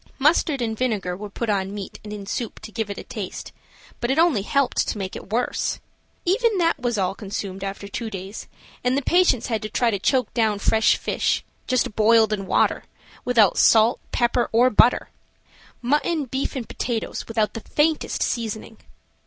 Mustard and vinegar were put on meat and in soup to give it a taste, but it only helped to make it worse. Even that was all consumed after two days, and the patients had to try to choke down fresh fish, just boiled in water, without salt, pepper or butter; mutton, beef and potatoes without the faintest seasoning.